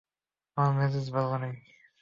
আমার মেজাজ ভালো নেই।